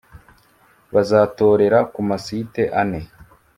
Bazatorera ku masite ane